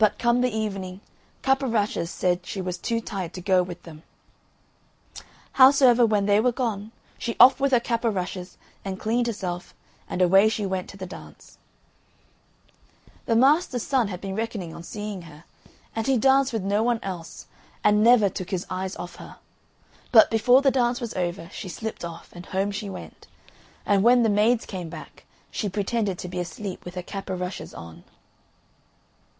But, come the evening, Cap o' Rushes said she was too tired to go with them. Howsoever, when they were gone, she offed with her cap o' rushes and cleaned herself, and away she went to the dance. The master's son had been reckoning on seeing her, and he danced with no one else, and never took his eyes off her. But, before the dance was over, she slipt off, and home she went, and when the maids came back she, pretended to be asleep with her cap o' rushes on.